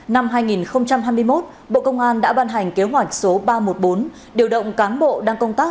năm hai nghìn hai mươi một bộ công an đã ban hành kế hoạch số ba trăm một mươi bốn điều động cán bộ đang công tác